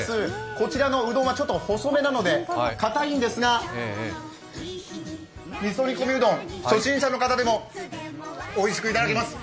こちらのうどんは細めなのでかたいんですがみそ煮込みうどん、初心者の方でもおいしくいただけます。